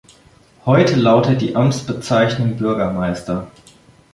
Heute lautet die Amtsbezeichnung Bürgermeister.